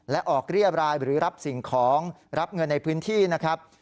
และออกเรียบรายหรือรับสิ่งของรับเงินในพื้นที่นะครับ